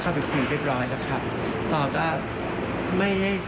บางทีก็เจ็บเจ็บหัว